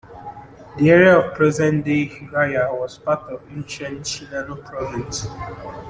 The area of present-day Hiraya was part of ancient Shinano Province.